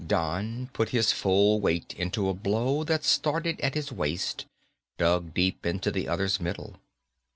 Don put his full weight into a blow that started at his waist, dug deep into the other's middle.